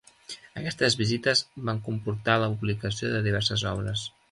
Aquestes visites van comportar la publicació de diverses obres.